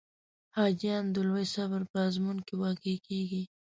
حاجیان د لوی صبر په آزمون کې واقع کېږي.